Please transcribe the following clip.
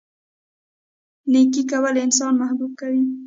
نیکي کول انسان محبوب کوي.